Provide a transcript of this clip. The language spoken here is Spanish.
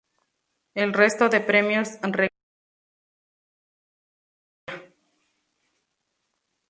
El resto de premios recayeron en futbolistas del Chelsea.